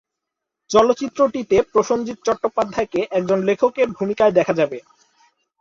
চলচ্চিত্রটিতে প্রসেনজিৎ চট্টোপাধ্যায়কে একজন লেখকের ভূমিকায় দেখা যাবে।